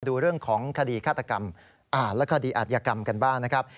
ดูเรื่องของคดีฆาตกรรมอ่านและคดีอาจยกรรมกันบ้างนะครับ